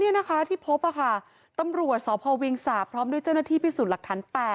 นี่นะคะที่พบค่ะตำรวจสพเวียงสาพร้อมด้วยเจ้าหน้าที่พิสูจน์หลักฐาน๘